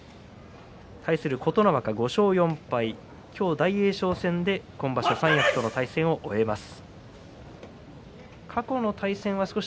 対する琴ノ若は５勝４敗大栄翔戦で今場所三役との対戦を終えます。